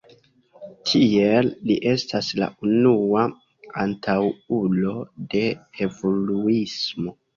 Tiel li estas la unua antaŭulo de evoluismo.